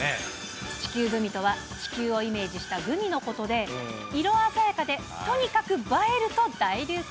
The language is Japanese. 地球グミとは、地球をイメージしたグミのことで、色鮮やかで、とにかく映えると大流行。